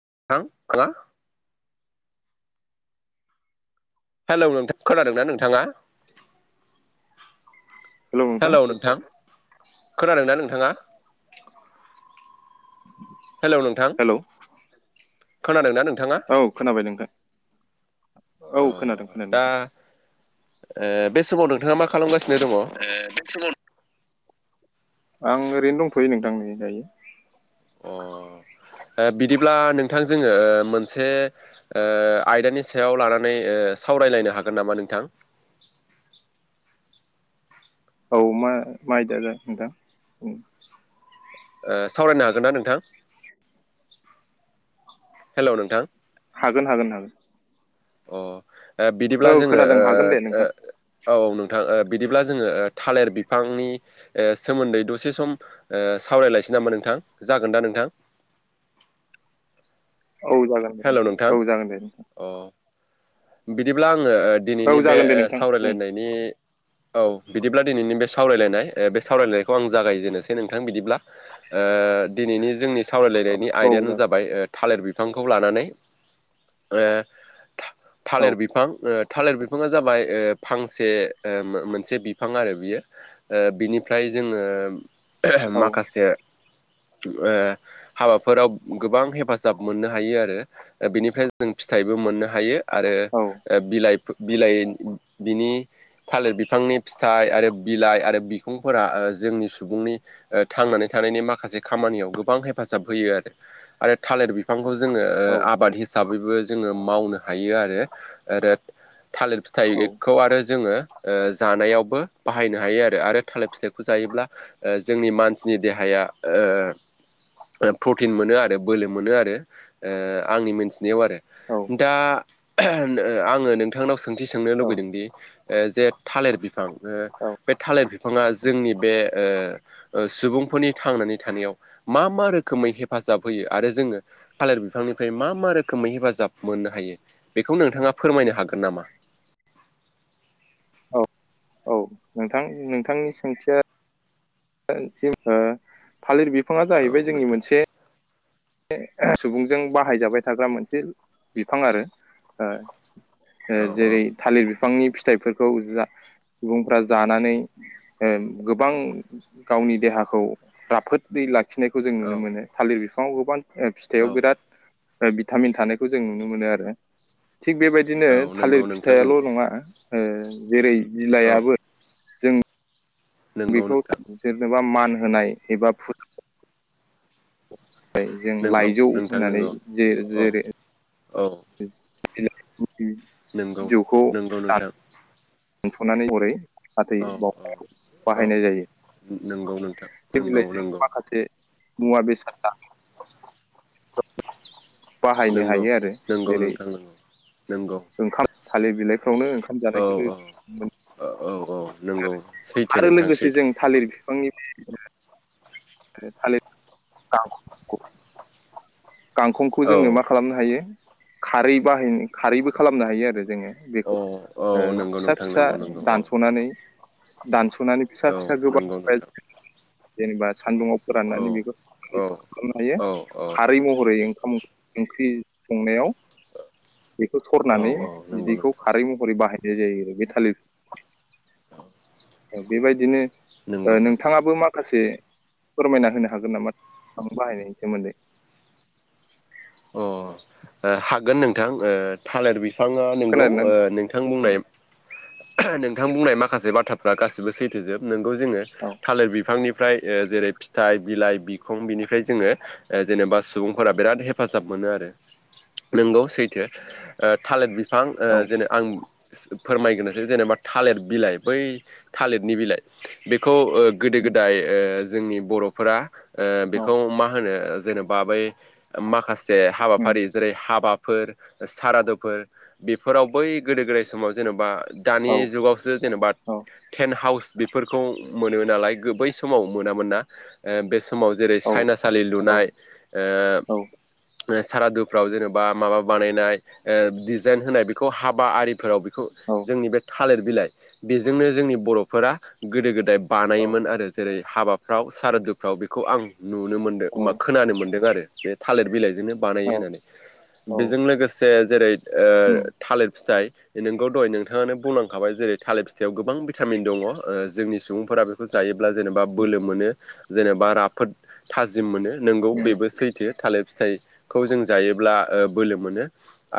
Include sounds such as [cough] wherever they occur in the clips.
[unintelligible] Hello नोंथ खोनादोंना नोंथाङा [unintelligible] हेलौ नोंथां खोनादोंना नोंथाङा हेल' नोंथां हेलौ खोनादोंना नों नोंथाङा औ खोनाबाय नोंथां औ अ खोनादों खोनादों दा नोंथां बे समाव नोंथाङा मा खालामगासिनो दङ अ [unintelligible] आं ओरैनो दंथ'यो नोंथां नै दायो अ बिदिब्ला नोंथां जोङो मोनसे आयदानि सायाव लानानै सावरायलायनो हागोन नामा नोंथां औ मा माइदाज नोंथां सावरायनो हागोन ना नोंथां हेल' नोंथां हागोन हागोन हागोन अ बिदिब्ला औ जोङो खोनादों हागोन दे नोंथां औ नोंथां बिदिब्ला जोङो थालिर बिफांनि सोमोन्दै दसे सम सावरायलायसै नामा नोंथाङा जागोन दा नोंथां औ जागोन दे हेल' नोंथां औ जागोन दे नोंथां अ बिदिब्ला आङो औ दिनैनि बे जागोन दे नोंथां बुं सावरायलायनायनि औ बिदिब्ला दिनैनि बे सावरायलायनाय बे सावरायलायनायखौ आं जागायजेनोसै नोंथां बिदिब्ला दिनैनि जोंनि सावरायलायनायनि औ आयदायानो जागोन जाबाय थालिर बिफ फांखौ लानानै औ थालिर बिफां थालिर बिफाङा जाबाय फांसे मोनसे बिफां आरो बियो बिनिफ्राय जोङो औ औ माखासे ओ हाबाफोराव गोबां हेफाजाब मोननो हायो आरो बेनिफ्राय जों फिथाइबो मोननो हायो औ आ बिलाइ बिनि थालिर बिफांनि फिथाइ आरो बिलाइ आरो बिखुंफोरा ओ ओ जोंनि सुबुंनि ओ थांनानै थानायनि माखासे खामानियाव गोबां हेफाजाब होयो आरो थालेर बिफां खौ जोङो आबाद हिसाबैबो जोङो मावनो हायो आरो थालिर फिथाइखौ आरो जोङो ओ जानायावबो बाहायनो हायो आरो आरो थालिर फिथाइखौ जायोब्ला जोंनि मानसिनि देहाया या ओ प्रथिनमोनो आरो बोलो मोनो आरो ओ आंनि मोन नायाव आरो दा आङो नोंथांनाव सोंथि सोंनो औ लुुबैदोंदि ओ जे थालिर बिफां ओ बे थालिर बिफां बिफाङा जोंनि बे ओ ओ सुबुंफोरनि थांनानै थानायाव मा मा रोखोमै हेफाजा जाब होयो आरो जोङो फालिर बिफांनिफ्राय मा मा रोखोमै हेफाजाब मोननो हायो बेखौ नोंथाङा फोरमायनो हागोन नामा? औ औ नोंथां नोंथांनि सोंथिया [unintelligible] ओ थालिर बिफाङा औ जाहैबाय जोंनि नोंथां मोनसे ने सुबुंजों बाहायजाबाय थाग्रा मोनसे बिफां आरो ओ ओ औ जेरै थालिर बिफांनि फि फिथाइफोरखौ जा सुबुंफोरा जानानै ओ गोबां गावनि देहा खौ राफोदै लाखिनायखौ जों औ नुनो मोनो थालिर बिफाङाव गोबां औ फिथाइयाव बिराद ओ भिटामिन थानायखौ जों नुनो मोनो आरो थिग बेबायदिनो औ थालिर नंगौ नोंथां फिथाइल' नंगौ नङा ओ जेरै औ बिलाइाबो नंगौ बेखौ नोंथां सोरनोबा मान होनाय एबा फु फ्राय जों नंगौ लाइजौ नोंथां होननानै नंगौ जे औ जेरै औ उम बि नंगौ नंगौ नोंथां दोनथ'नानै हरै फाथै औ दंफांङाव औ बाहायनाय जायो नंगौ नोंथां जों नंगौ बिलाइजों नंगौ माखासे मुवा बेसादा [unintelligible] बाहायनो नंगौ हायो आरो नंगौ जेरै नोंथां नंगौ नंगौ ओंखाम थालिर बिलाइफ्रावनो ओंखाम औ जानायखौ औ मो औ औ नंगौ आरो सैथो आरो नोंथां लोगोसे सैथो जों थालिर बिफांनि [unintelligible] गांखंखौ औ जोङो मा खालामनो हायो खारै बाहायनो खारैबो खालामनो हायो आरो जोङो औ बेखौ औ ओ नंगौ फिसा नोंथां फिसा नंगौ नंगौ औ दानस'नानै दानस'नानै फिसा औ फिसा गोबां नंगौ नोंथां जेनेबा सान्दुंङआव फोरानानै औ बेखौ औ औ [unintelligible] खारै महरै ओंखाम ओंख्रि संनायाव बेखौ औ सरनानै औ नंगौ बिदैखौ नोंथां खारै महरै बाहायनाय जायो आरो बे थालिरखौ बेबायदिनो ओ नंगौ नोंथां नोंथाङाबो नंगौ माखासे फोरमायना होनो हागोन नामा नोंथाङा बो बाहायनायनि सोमोन्दै ओ हागोन नोंथां ओ थालिर बि बिफाङा नोंगौ ओ नोंथां बुंनाय औ नोंथां बुंनाय मा माखासे बाथ्राफ्रा गासिबो सैथो जोब नोंगौ जोङो औ थालिर बिफांनि फ्राय ओ जेरै फिथाइ बिलाइ बिखं बिनिफ्राय जोङो ओ जेनेबा सुबुंफोरा बिराद हेफाजाब मो मोनो आरो नोंगौ सैथो ओ थालिर बिफां ओ औ जेने आं फोरमायगोरनोसै जेनेबा थालिर बिलाइ बै थालिरनि बिलाइ बेखौ ओ गोदो गोदाय ओ जोंनि बर'फोरा ओ औ बेखौ मा होनो जेनेबा बै माखासे उम हाबाफारि जेरै हाबाफोर सारादुफोर बेफोराव बै गोदो गोदाय समाव जेन'बा दानि औ जुगावसो जेनेबा औ टेन हाउस बेफोरखौ मोनो नालाय बै समाव मोनामोन ना ओ बेस समाव जेरै औ सायनासालि औ लुनाय औ ओ सारादु फ्राव जेनेबा माबा बानायनाय ओ डिजाइन होनाय बेखौ हाबा आरिफोराव बि खौ जोंनि बे थालिर बिलाइ बेजोंनो जोंनि बर'फोरा गोदो-गोदाय बानायोमोन आरो जेरै हाबाफ्राव सारादुफ्राव बेखौ आं नुनो मोन्दों औ होमबा खोनानो मोन्दों आरो बे थालिर बिलाइजोंनो बानायो औ होननानै औ बेजों लोगोसे जेरै ओ उम थालिर फिथाइ नोंगौ दहाय नोंथाङानो बुंलांखाबाय जेरै थालिर फिथाइयाव गोबां भिटामिन दङ ओ जोंनि सुबुंफोरा बेखौज जायोब्ला जेनेबा बोलो मोनो जेनेबा राफोद थाजिम मोनो नोंगौ उम बेबो सैथो थालिर फिथाइखौ जों जायोब्ला ओ बोलो मोनो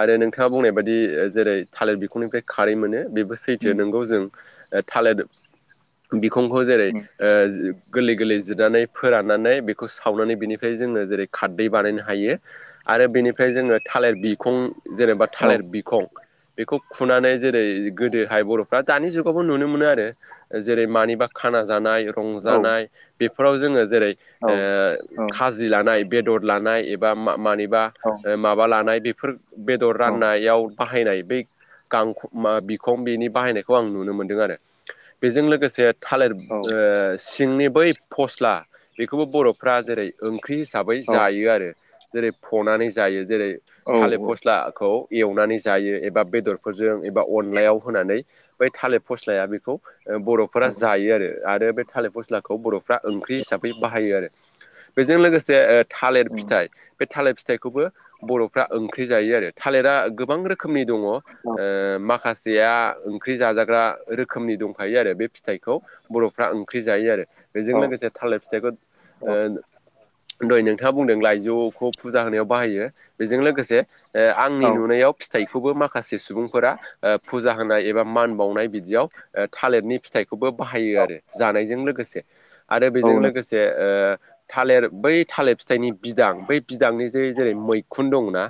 आरो नोंथाङा बुंनाय बादि जेरै थालिर बिखंनिफ्राय खारै मोनो बेबो सैथो उम नोंगौ जों ओ थालिर बिखंखौ जेरै उम ओ गोरलै-गोरलै जिरनानै फोराननानै बेखौ सावनानै बिनिफाय जोङो जेरै खारदै बानायनो हायो आरो बेनिफ्राय जोङो थालिर बिखं जेनेबा औ थालिर बिखं बेखौ खुनानै जेरै गोदोहाय बर'फ्रा दानि जुगावबो नुनो मोनो आरो जेरै मानिबा खाना जानाय औ रंजानाय बेफोराव जोङो जेरै औ ओ औ खाजि लानाय बेदर लानाय एबा मानिबा औ ओ माबा लानाय बेफोर बेदर औ राननायाव बाहायनाय बै गांख मा बिखं बेनि बाहायनायखौ आं नुनो मोन्दों आरो बेजों लोगोसे थालिर ओ सिंनि बै फ'स्ला बेखौबो बर'फ्रा जेरै ओं ख्रि हिसाबै औ जायो आरो जेरै फ'नानै जायो जेरै थालिर उम औ फ'स्लाखौ एवनानै जायो एबा बेदरफोरजों एबा अनलायाव होनानै बै थालिर फ'स्लाया बेखौ बर'फोरा जायो आरो आरो बे थालिर फ'स्लाखौ बर'फ्रा ओंख्रि हिसाबै बाहायो आरो बेजों लोगोसे ओ थालिर फिथाइ बे थालिर फिथाइ खौबो बर'फ्रा ओंख्रि जायो आरो थालिरा गोबां रोखोमनि दङ ओ माखासेया या ओंख्रि जाजाग्रा रोखोमनि दंखायो आरो बे फि थाइखौ बर'फ्रा ओंख्रि जायो आरो बेजों लोगोसे थालिर फिथाइखौ ओ दहाय नोंथाङा बुंदों लाइजौ फुजा होनायाव बाहायो बेजों लोगोसे आंनि नुनायाव फिथाइ खौबो माखासे सुबुंफोरा ओ फुजा होनाय एबा मान बावनाय बिदियाव ओ थालिरनि फिथाइ खौबो बाहायो आरो जानायजों लोगोसे आरो औ बेजों नों- लोगोसे ओ थालिर बै थालिर फिथाइनि बिदां बै बिदांनि जे जेरै मैखुन दंङना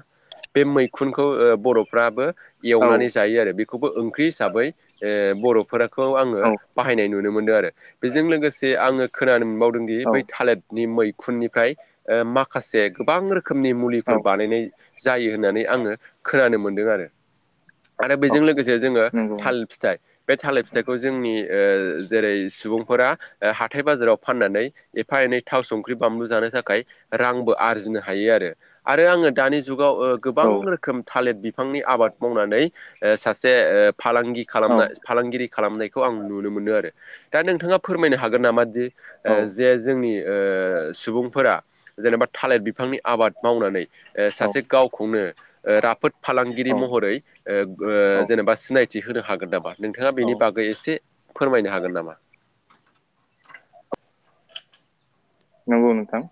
बे मैखुनखौ ओ बर'फ्राबो औ एवनानै जायो आरो बेखौबो ओंख्रि हिसाबै ओ बर'फोरखौ आङो औ बाहायनाय नुन मोनदों आरो बेजों लोगोसे आङो खोनानो मोनबावदोंदि औ बै थालिरनि मै खुननिफ्राय माखासे गोबां रोखोमनि मुलिफोर बानायनाय जायो होननानै आङो खोनानो मोनदों आरो आरो बेजों लोगोसे जोङो नंगौ थालिर फिथाइ बे थालिर फिथाइखौ जोंनि ओ जेरै सुबुंफोरा हाथाइ-बाजाराव फाननानै एफा-एनै थाव संख्रि बामलु जानो थाखाय रांबो आरजिनो हायो आरो आरो आङो दानि जुगाव ओ गोबां औ रोखोम थालिर बि फांनि आबाद मावनानै ओ सासे ओ फालांगि खालाम औ फालांगिरि खालामनाय खौ आं नुनो मोनो आरो दा नोंथाङा फोरमायनो हागोन नामा दि ओ औ जे जोंनि ओ सुबुंफोरा जेनेबा थालिर बिफांनि आबाद मावनानै ओ सासे गावखौनो राफोद फालांगिरि महरै ओ औ जेनेबा सिनाय थिहोनो हागोन नामा नोंथाङा औ बेनि बागै एसे फोरमायनो हागोन नामा नंगौ नोंथां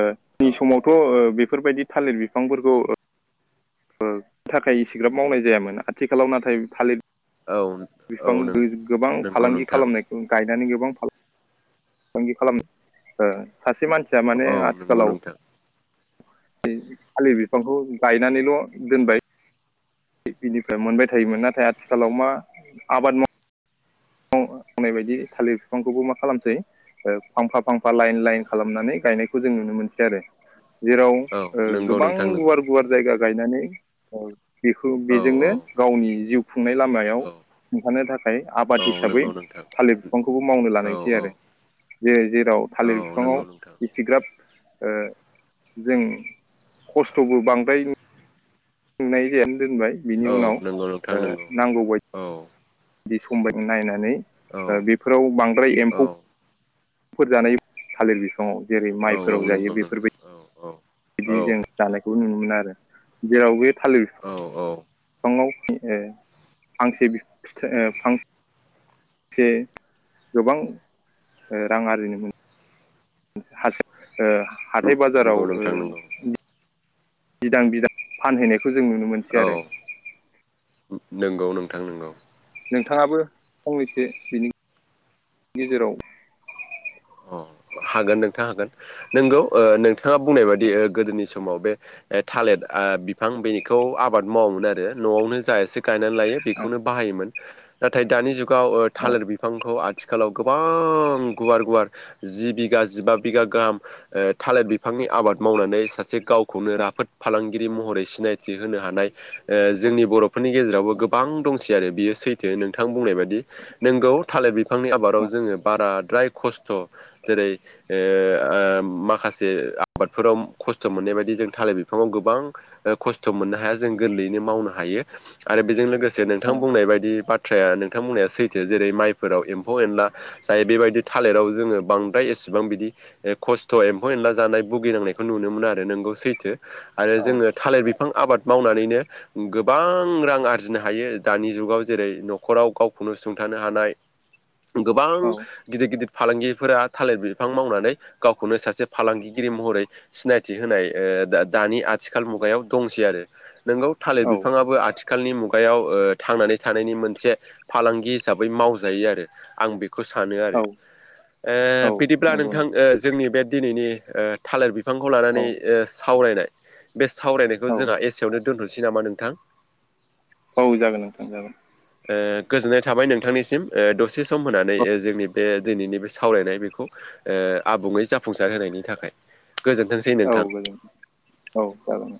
ओ औ नि समावथ' ओ बेफोरबायदि थालिर बिफांफोरखौ ओ ओ थाखाय इसेग्राब मावनाय जायामोन आथिखालाव नाथाय थालिर औ औ बिफां नों गोबां नंगौ फालांगि नोंथां खालामनायखौ गायनानै गोबां फालां फालांगि खालाम ओ सासे मानसिया माने औ नंगौ आथिखालाव नोंथां थालि थालिर बिफांखौ गायनानैल' दोनबाय बिनिफ्राय मोनबाय थायोमोन नाथाय आथिखालाव मा आबाद माव [unintelligible] फोनाय बायदि थालिर बिफांखौबो मा खालामसै फांफा फांफा लाइन लाइन खालामनानै गायनायखौ जों नुनो मोनसै आरो जेराव औ ओ नंगौ गोबां नोंथां नंगौ गुवार गुवार जायगा गायनानै बेखौ औ बेजोंनो औ गावनि जिउ खुंनाय लामायाव औ खिन्थानो थाखाय आ बाद औ हिसाबै नंगौ नोंथां थालिर बिफांखौबो मावनो औ लानायसै औ आरो जे जेराव औ थालिर नंगौ नोंथां बिफाङाव एसिग्राब ओ जों खस्थ'बो बांद्राय सोंनाय जायानो दोनबाय बिनि औ उनाव नंगौ नोंथां नंगौ नांगौ बायदि औ बि समबाय नायनानै औ बेफोराव बांद्राय एम्फौ फोर जानाय थालिर बिफाङाव जेरै औ औ माइफोराव नंगौ जायो नोंथां बेफोरबायदि औ औ बिदि औ जों जानायखौ नुनो मोनो आरो जेराव बे थालिर औ औ। बिफाङाव ओ फांसे बि फिथाय ओ‌ फां जे गोबां ओ रां आरजिनो हासि ओ हाथाय बाजाराव नंगौ ओ नोंथां नंगौ बिदां बिदां फानहैनायखौ जों नुनो मोनसै औ आरो नंगौ नोंथां नंगौ। नोंथाङाबो फंनैसो बिनि गेजेराव अ हागोन नोंथां हागोन नंगौ ओ नोंथाङा बुंनाय बायदि ओ गोदोनि समाव बे ओ थालिर ओ बिफां बेखौ आबाद मावामोन आरो न'आवनो जा एसे गायनानै लायो बेखौनो बाहायोमोन। नाथाय दानि जुगाव ओ औ थालिर बिफांखौ आथिखालाव गोबां गुवार गुवार जि बिघा जिबा बिघा गाहाम ओ थालिर बिफांनि आबाद मावनानै सासे गावखौनो राफोद फालांगिरि महरै सिनायथि होनो हानाय ओ जोंनि बर'फोरनि गेजे रावबो गोबां दंसै आरो बियो सैथो नोंथां बुंनाय बायदि नंगौ थालिर बि फांनि आबादाव जोङो बाराद्राय खस थ' जेरै ओ ओ माखासे आबादफोराव खस्थ' मोननाय बायदि जों था लिर बिफाङाव गोबां ओ खस्थ' मोननो हाया। जों गोरलैयैनो मावनो हायो आरो बेजों लोगो से नोंथां औ बुंनाय बायदि बाथ्राया नोंथां बुंनाया सैथो। जेरै माइफोराव एम फौ एनला जाय बेबायदि थालिराव जोङो बांद्राय एसेबां बिदि खस्थ' एम्फौ एनला जानाय भुगिनांनायखौ नुनो मोना आरो नंगौ सैथो। आरो औ जोङो थालिर बिफां आबाद मावनानैनो गोबां रां आरजिनो हायो दानि जुगाव जेरै न'खराव गावखौनो सुंथा नो हानाय गोबां गिदिर गिदिर फालांगिरिफोरा थालिर बिफां मावनानै गावखौनो सासे फालांगिगिरि महरै सिनायथि होनाय ओ दा-दानि आथिखाल मुगायाव दंसै आरो नंगौ थालिर औ बिफाङाबो आथि खालनि मुगायाव ओ थांनानै थानायनि मोनसे फालांगि हिसाबै मावजायो आरो आं बे खौ सानो आरो औ ओ औ बिदिब्ला नंगौ नोंथां ओ जोंनि बे दिनैनि ओ थालिर बि फांखौ लानानै औ ओ सावरायनाय बे सावरायनायखौ औ जोंहा एसेयावनो दोनथ'नोसै नामा नोंथां? औ जागोन नोंथां जागोन। ओ गोजोननाय थाबाय नोंथांनिसिम ओ दसे सम होनानै ओ जोंनि बे दिनैनि बे सावरायनाय बेखौ ओ आबुङै जाफुंसार होनायनि थाखाय। गोजोनथोंसै औ नोंथां। गोजोन औ जागोन।